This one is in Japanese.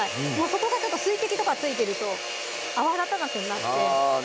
ここがちょっと水滴とか付いてると泡立たなくなってあぁ